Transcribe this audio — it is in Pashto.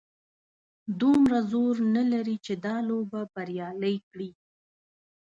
دومره زور نه لري چې دا لوبه بریالۍ کړي.